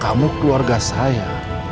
kamu keluar dari keluarga saya